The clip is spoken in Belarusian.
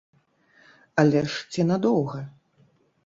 Але ж ці надоўга?